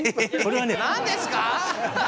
何ですか！？